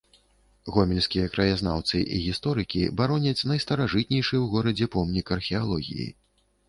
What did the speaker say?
Гомельскія краязнаўцы і гісторыкі бароняць найстаражытнейшы ў горадзе помнік археалогіі.